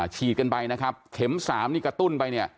ฉีดกันไปนะครับเข็ม๓นี่กระตุ้นไปเนี่ย